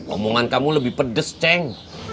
omongan kamu lebih pedes ceng